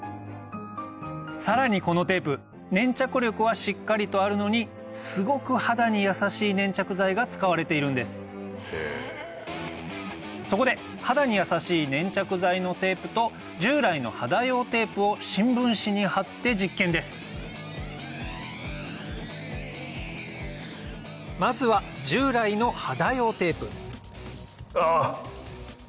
さらにこのテープ粘着力はしっかりとあるのにすごく肌に優しい粘着剤が使われているんですそこで肌に優しい粘着剤のテープと従来の肌用テープを新聞紙に貼って実験ですまずはあぁ！